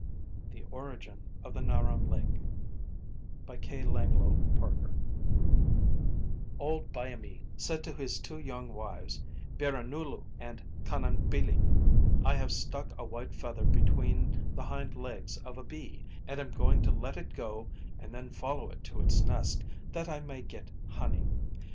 THE ORIGIN OF THE NARRAN LAKE Old Byamee said to his two young wives, Birrahgnooloo and Cunnunbeillee, "I have stuck a white feather between the hind legs of a bee, and am going to let it go and then follow it to its nest, that I may get honey.